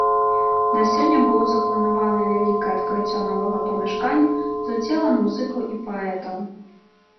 На сёння было запланаванае вялікае адкрыццё новага памяшкання з ўдзелам музыкаў і паэтаў.